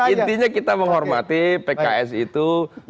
intinya kita menghormati pks itu